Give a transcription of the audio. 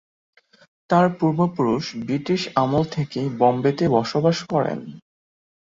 তাঁর পূর্বপুরুষ ব্রিটিশ আমল হতেই বোম্বে-তে বসবাস করেন।